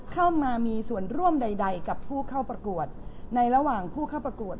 เข้ามามีส่วนร่วมใดกับผู้เข้าประกวดในระหว่างผู้เข้าประกวด